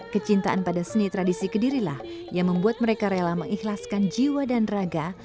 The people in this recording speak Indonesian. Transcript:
kecintaan pada seni tradisi kedirilah yang membuat mereka rela mengikhlaskan jiwa dan raga